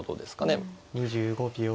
２５秒。